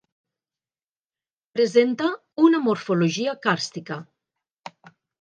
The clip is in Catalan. Presenta una morfologia càrstica.